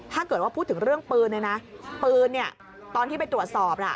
ถ้าเกิดว่าพูดถึงเรื่องปืนเลยนะปืนเนี่ยตอนที่ไปตรวจสอบ